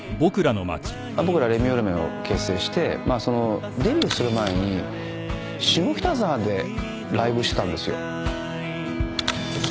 僕らレミオロメンを結成してデビューする前に下北沢でライブをしてたんですよ。